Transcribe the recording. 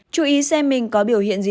chú ý xem mình có biểu hiện gì